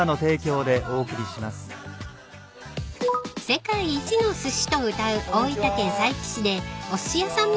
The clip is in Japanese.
［世界一のすしとうたう大分県佐伯市でおすし屋さん